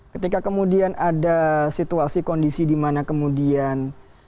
ketika kemudian ada situasi kondisi di mana kemudian